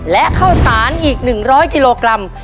และข้าวสารอีก๑๐๐กิโลกรัม